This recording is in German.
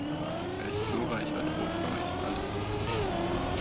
Welch gloreicher Tot für euch alle!